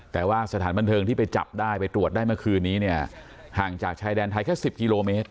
แต่ว่าสถานบันเทิงที่ไปจับได้ไปตรวจได้เมื่อคืนนี้เนี่ยห่างจากชายแดนไทยแค่๑๐กิโลเมตร